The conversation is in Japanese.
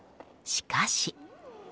しかし。